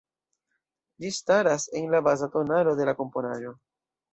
Ĝi staras en la baza tonalo de la komponaĵo.